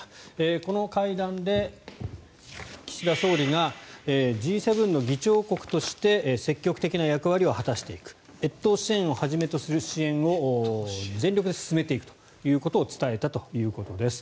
この会談で岸田総理がＧ７の議長国として積極的な役割を果たしていく越冬支援をはじめとする支援を全力で進めていくということを伝えたということです。